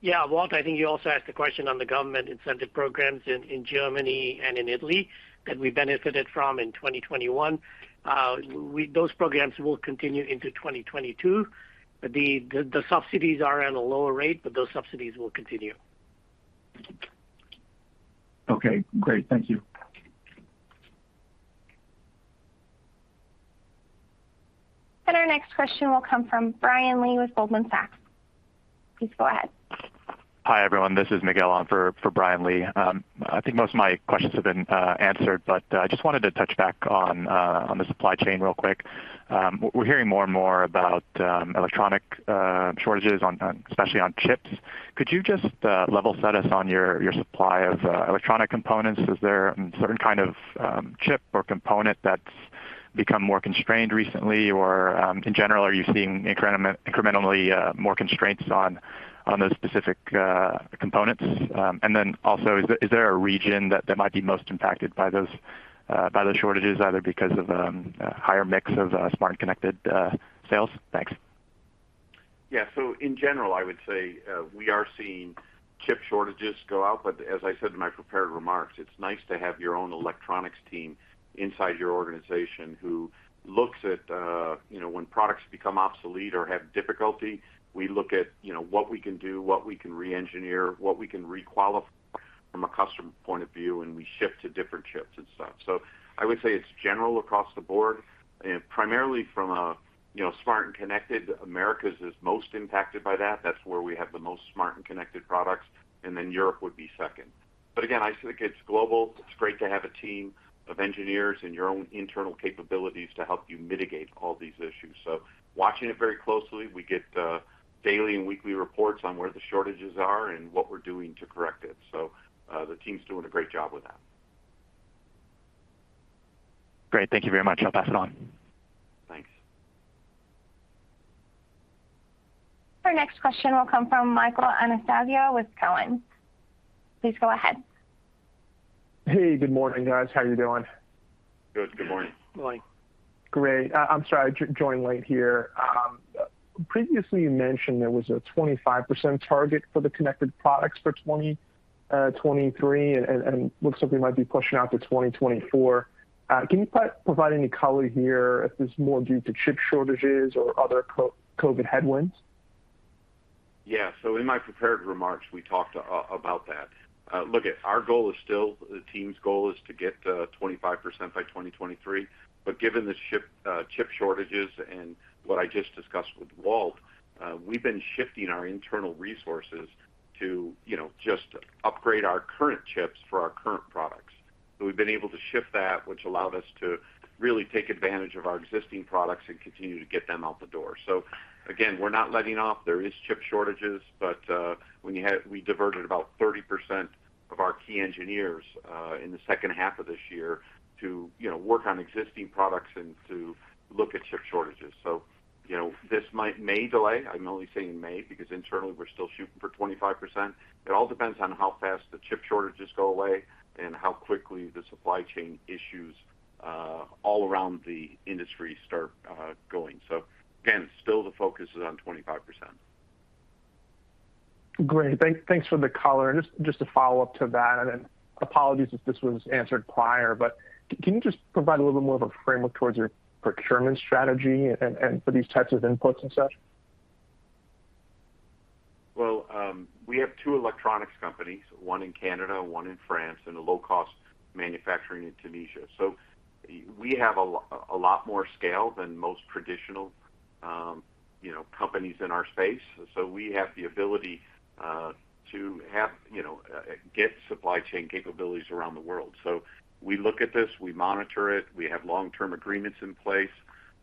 Speaker 3: Yeah, Walt, I think you also asked a question on the government incentive programs in Germany and in Italy that we benefited from in 2021. Those programs will continue into 2022, but the subsidies are at a lower rate, but those subsidies will continue.
Speaker 8: Okay, great. Thank you.
Speaker 4: Our next question will come from Brian Lee with Goldman Sachs. Please go ahead.
Speaker 9: Hi, everyone. This is Miguel on for Brian Lee. I think most of my questions have been answered, but I just wanted to touch back on the supply chain real quick. We're hearing more and more about electronic shortages, especially on chips. Could you just level set us on your supply of electronic components? Is there a certain kind of chip or component that's become more constrained recently? Or, in general, are you seeing incrementally more constraints on those specific components? Is there a region that might be most impacted by those shortages, either because of a higher mix of smart and connected sales? Thanks.
Speaker 2: Yeah. In general, I would say, we are seeing chip shortages go out. As I said in my prepared remarks, it's nice to have your own electronics team inside your organization who looks at, you know, when products become obsolete or have difficulty, we look at, you know, what we can do, what we can re-engineer, what we can requalify from a customer point of view, and we shift to different chips and stuff. I would say it's general across the board, primarily from a, you know, smart and connected. Americas is most impacted by that. That's where we have the most smart and connected products, and then Europe would be second. Again, I think it's global. It's great to have a team of engineers and your own internal capabilities to help you mitigate all these issues. Watching it very closely, we get daily and weekly reports on where the shortages are and what we're doing to correct it. The team's doing a great job with that.
Speaker 9: Great. Thank you very much. I'll pass it on.
Speaker 2: Thanks.
Speaker 4: Our next question will come from Michael Anastasiou with Cowen. Please go ahead.
Speaker 10: Hey, good morning, guys. How are you doing?
Speaker 2: Good. Good morning.
Speaker 3: Morning.
Speaker 10: Great. I'm sorry, I joined late here. Previously, you mentioned there was a 25% target for the connected products for 2023, and it looks like we might be pushing out to 2024. Can you provide any color here if it's more due to chip shortages or other COVID headwinds?
Speaker 2: Yeah. In my prepared remarks, we talked about that. Our goal is still, the team's goal is to get 25% by 2023. Given the chip shortages and what I just discussed with Walt, we've been shifting our internal resources to, you know, just upgrade our current chips for our current products. We've been able to shift that, which allowed us to really take advantage of our existing products and continue to get them out the door. Again, we're not letting off. There is chip shortages, but we diverted about 30% of our key engineers in the H2 of this year to, you know, work on existing products and to look at chip shortages. You know, this may delay. I'm only saying maybe because internally we're still shooting for 25%. It all depends on how fast the chip shortages go away and how quickly the supply chain issues all around the industry start going. Again, still the focus is on 25%.
Speaker 10: Great. Thanks for the color. Just to follow up to that, apologies if this was answered prior, but can you just provide a little bit more of a framework towards your procurement strategy and for these types of inputs and such?
Speaker 2: Well, we have two electronics companies, one in Canada, one in France, and a low-cost manufacturing in Tunisia. We have a lot more scale than most traditional, you know, companies in our space. We have the ability to get supply chain capabilities around the world. We look at this, we monitor it, we have long-term agreements in place,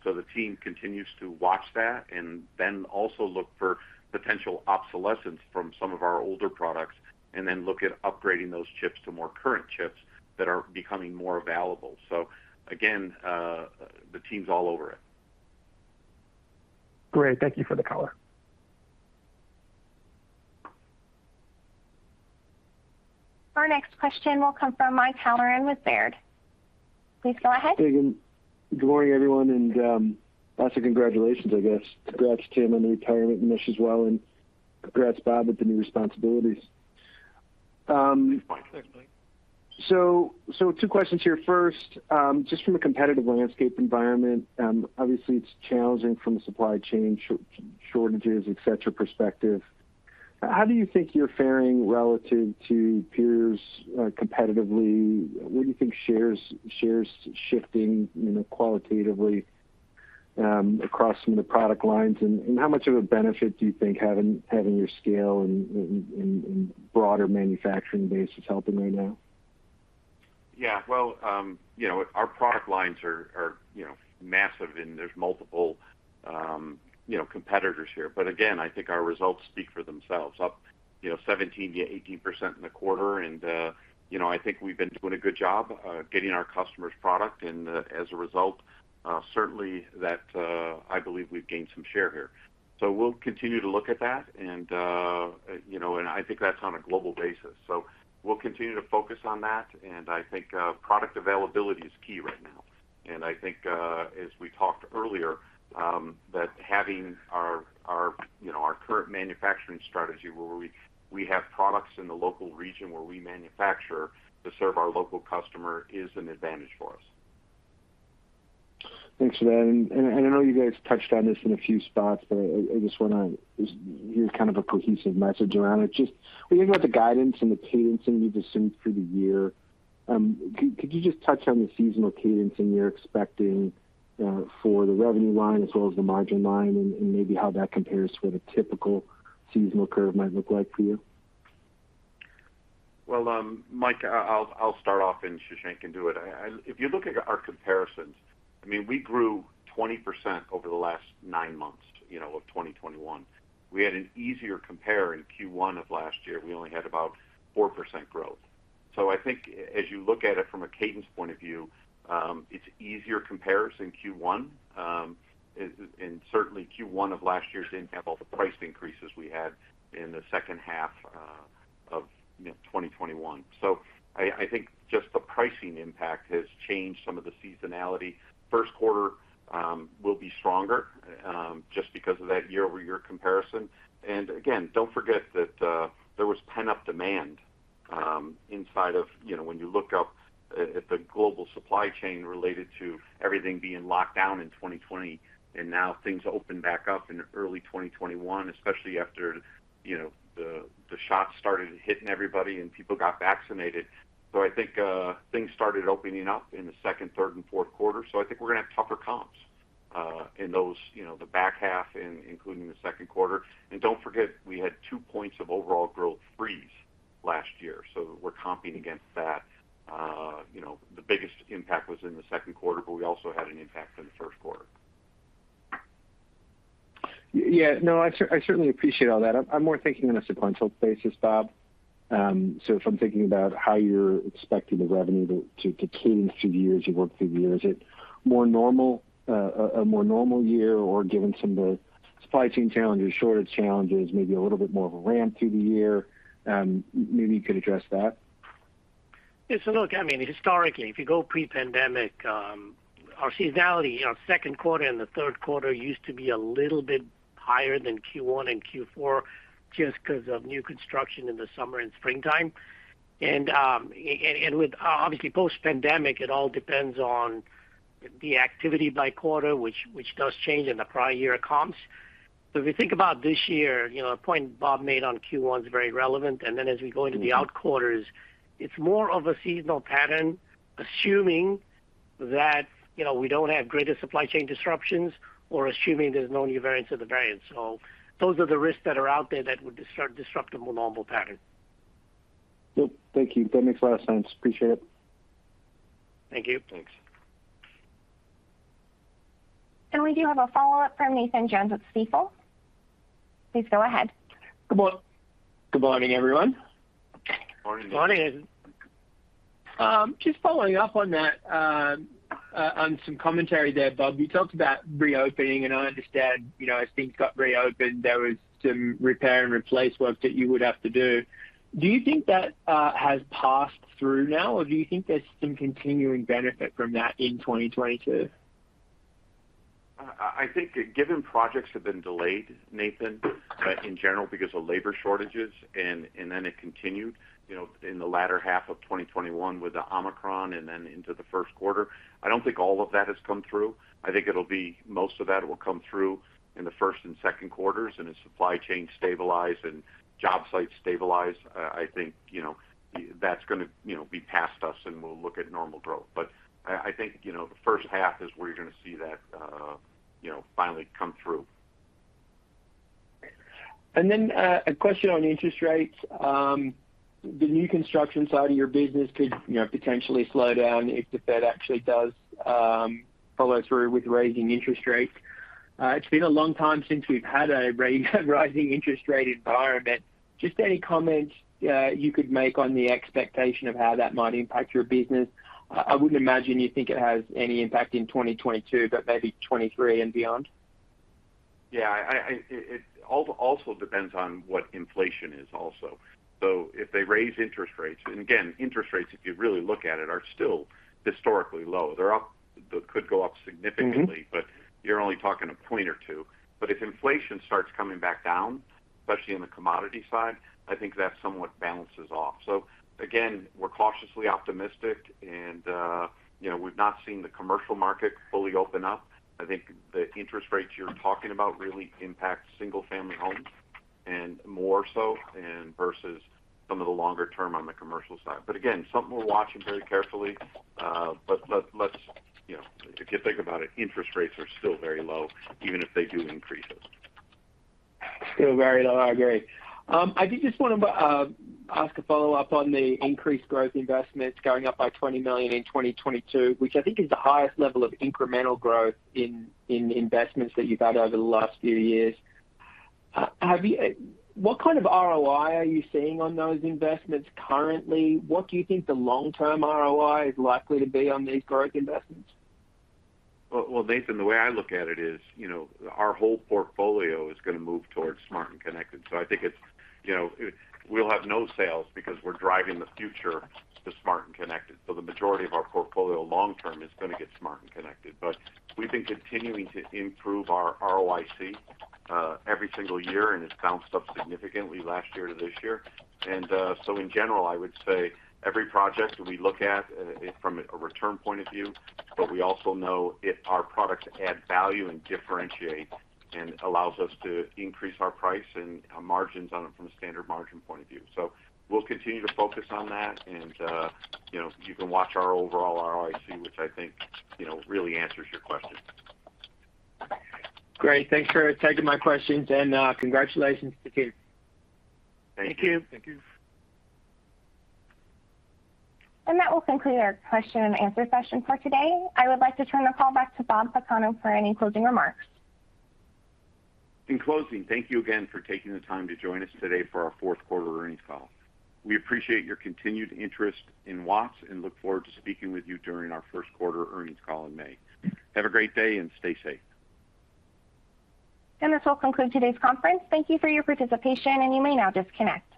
Speaker 2: so the team continues to watch that and then also look for potential obsolescence from some of our older products, and then look at upgrading those chips to more current chips that are becoming more available. Again, the team's all over it.
Speaker 10: Great. Thank you for the color.
Speaker 4: Our next question will come from Mike Halloran with Baird. Please go ahead.
Speaker 11: Hey, again. Good morning, everyone, and also congratulations, I guess. Congrats, Tim, on the retirement, and Munish as well, and congrats, Bob, with the new responsibilities.
Speaker 2: Thanks, Mike.
Speaker 11: Two questions here. First, just from a competitive landscape environment, obviously it's challenging from a supply chain shortages, et cetera, perspective. How do you think you're faring relative to peers, competitively? Where do you think shares shifting, you know, qualitatively, across some of the product lines? How much of a benefit do you think having your scale and broader manufacturing base is helping right now?
Speaker 2: Yeah. Well, you know, our product lines are you know massive, and there's multiple you know competitors here. Again, I think our results speak for themselves, up 17%-18% in the quarter. You know, I think we've been doing a good job getting product to our customers. As a result, certainly, I believe we've gained some share here. We'll continue to look at that. You know, I think that's on a global basis. We'll continue to focus on that. I think product availability is key right now. I think, as we talked earlier, that having our you know our current manufacturing strategy where we have products in the local region where we manufacture to serve our local customer is an advantage for us.
Speaker 11: Thanks for that. I know you guys touched on this in a few spots, but I just wanna hear kind of a cohesive message around it. Just when you think about the guidance and the cadence that you've assumed through the year, could you just touch on the seasonal cadence and what you're expecting for the revenue line as well as the margin line and maybe how that compares to what a typical seasonal curve might look like for you?
Speaker 2: Well, Mike, I'll start off and Shashank can do it. If you look at our comparisons, I mean, we grew 20% over the last nine months, you know, of 2021. We had an easier compare in Q1 of last year. We only had about 4% growth. I think as you look at it from a cadence point of view, it's easier comparison Q1. And certainly Q1 of last year didn't have all the price increases we had in the H2 of 2021. I think just the pricing impact has changed some of the seasonality. Q1 will be stronger just because of that year-over-year comparison. Again, don't forget that there was pent-up demand inside of. You know, when you look up at the global supply chain related to everything being locked down in 2020, and now things open back up in early 2021, especially after, you know, the shots started hitting everybody and people got vaccinated. I think things started opening up in the second, third, and Q4. I think we're gonna have tougher comps in those, you know, the back half including the Q2. Don't forget we had two points of overall growth freeze last year, so we're comping against that. You know, the biggest impact was in the Q2, but we also had an impact in the Q1.
Speaker 11: Yeah, no, I certainly appreciate all that. I'm more thinking on a sequential basis, Bob. If I'm thinking about how you're expecting the revenue to cadence through the year as you've worked through the year. Is it more normal, a more normal year or given some of the supply chain challenges, shortage challenges, maybe a little bit more of a ramp through the year? Maybe you could address that.
Speaker 3: Yeah. Look, I mean, historically, if you go pre-pandemic, our seasonality, you know, Q2 and the Q3 used to be a little bit higher than Q1 and Q4 just because of new construction in the summer and springtime. With obviously post-pandemic, it all depends on the activity by quarter, which does change in the prior year comps. If you think about this year, you know, a point Bob made on Q1 is very relevant. Then as we go into the out quarters, it's more of a seasonal pattern, assuming that, you know, we don't have greater supply chain disruptions or assuming there's no new variants of the variant. Those are the risks that are out there that would disrupt a more normal pattern.
Speaker 11: Yep. Thank you. That makes a lot of sense. Appreciate it.
Speaker 3: Thank you.
Speaker 2: Thanks.
Speaker 4: We do have a follow-up from Nathan Jones with Stifel. Please go ahead.
Speaker 12: Good morning, everyone.
Speaker 2: Good morning, Nathan.
Speaker 3: Good morning.
Speaker 12: Just following up on that, on some commentary there, Bob, you talked about reopening, and I understand, you know, as things got reopened, there was some repair and replace work that you would have to do. Do you think that has passed through now, or do you think there's some continuing benefit from that in 2022?
Speaker 2: I think given projects have been delayed, Nathan, but in general because of labor shortages and then it continued, you know, in the latter half of 2021 with the Omicron and then into the Q1. I don't think all of that has come through. I think it'll be most of that will come through in the Q1 and Q2s. As supply chain stabilize and job sites stabilize, I think, you know, that's gonna, you know, be past us and we'll look at normal growth. I think, you know, the H1 is where you're gonna see that, you know, finally come through.
Speaker 12: Then, a question on interest rates. The new construction side of your business could, you know, potentially slow down if the Fed actually does follow through with raising interest rates. It's been a long time since we've had a rising interest rate environment. Just any comments you could make on the expectation of how that might impact your business? I wouldn't imagine you think it has any impact in 2022, but maybe 2023 and beyond.
Speaker 2: Yeah. It also depends on what inflation is also. If they raise interest rates, and again, interest rates, if you really look at it, are still historically low. They could go up significantly.
Speaker 12: Mm-hmm.
Speaker 2: You're only talking a point or two. If inflation starts coming back down, especially in the commodity side, I think that somewhat balances off. We're cautiously optimistic and, you know, we've not seen the commercial market fully open up. I think the interest rates you're talking about really impact single family homes and more so versus some of the longer term on the commercial side. Again, something we're watching very carefully. Let's, you know. If you think about it, interest rates are still very low, even if they do increase those.
Speaker 12: Still very low. I agree. I did just wanna ask a follow-up on the increased growth investments going up by $20 million in 2022, which I think is the highest level of incremental growth in investments that you've had over the last few years. What kind of ROI are you seeing on those investments currently? What do you think the long term ROI is likely to be on these growth investments?
Speaker 2: Well, well, Nathan, the way I look at it is, you know, our whole portfolio is gonna move towards smart and connected. I think it's, you know, we'll have no sales because we're driving the future to smart and connected. The majority of our portfolio long term is gonna get smart and connected. But we've been continuing to improve our ROIC every single year, and it's bounced up significantly last year to this year. In general, I would say every project we look at from a return point of view, but we also know if our products add value and differentiate and allows us to increase our price and margins on it from a standard margin point of view. We'll continue to focus on that. You know, you can watch our overall ROIC, which I think, you know, really answers your question.
Speaker 12: Great. Thanks for taking my questions and, congratulations to the team.
Speaker 2: Thank you.
Speaker 3: Thank you.
Speaker 4: That will conclude our question and answer session for today. I would like to turn the call back to Bob Pagano for any closing remarks.
Speaker 2: In closing, thank you again for taking the time to join us today for our Q4 earnings call. We appreciate your continued interest in Watts and look forward to speaking with you during our Q1 earnings call in May. Have a great day and stay safe.
Speaker 4: This will conclude today's conference. Thank you for your participation, and you may now disconnect.